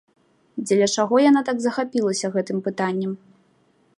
Дзеля чаго яна так захапілася гэтым пытаннем?